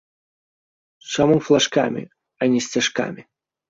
Чаму флажкамі, а не сцяжкамі?